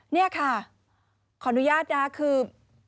นี่ค่ะขออนุญาตนะคือ